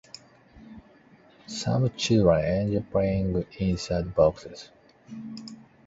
Some children enjoy playing inside boxes.